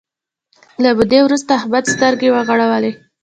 له مودې وروسته احمد سترګې وغړولې.